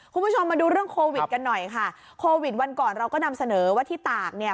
คุณผู้ชมมาดูเรื่องโควิดกันหน่อยค่ะโควิดวันก่อนเราก็นำเสนอว่าที่ตากเนี่ย